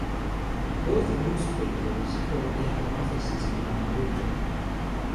Both newspapers currently have offices in Monrovia.